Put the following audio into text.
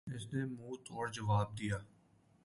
اس نے منہ توڑ جواب دیا۔